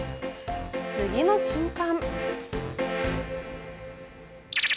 次の瞬間。